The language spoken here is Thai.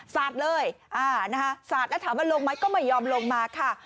สาดเลยสาดแล้วถามว่าลงไหมก็ไม่ยอมลงมาค่ะ